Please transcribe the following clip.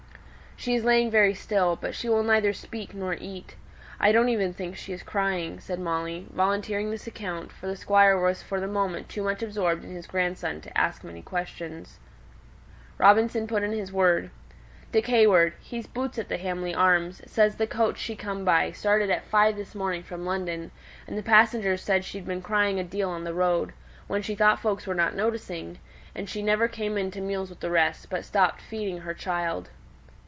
"She is lying very still, but she will neither speak nor eat. I don't even think she is crying," said Molly, volunteering this account, for the Squire was for the moment too much absorbed in his grandson to ask many questions. Robinson put in his word: "Dick Hayward, he's Boots at the Hamley Arms, says the coach she come by started at five this morning from London, and the passengers said she'd been crying a deal on the road, when she thought folks were not noticing; and she never came in to meals with the rest, but stopped feeding her child."